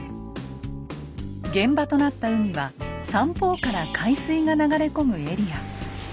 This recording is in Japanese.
現場となった海は三方から海水が流れ込むエリア。